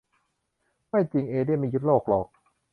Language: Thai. ไม่จริง เอเลี่ยนไม่ยึดโลกหรอก